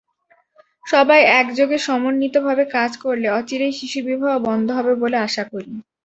সবাই একযোগে সমন্বিতভাবে কাজ করলে অচিরেই শিশুবিবাহ বন্ধ হবে বলে আশা করি।